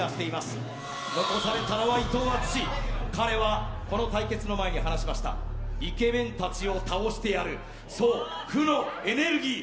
彼はこの対決の前に話しましたイケメン達を倒してやるそう負のエネルギー